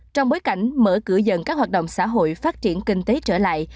trong bối cảnh mở cửa dần các hoạt động xã hội phát triển kinh tế trở lại